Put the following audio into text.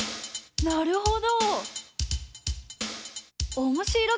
なるほど！